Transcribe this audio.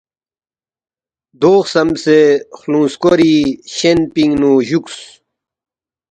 “ دو خسمسے خلوُنگ سکوری شین پِنگ نُو جُوکس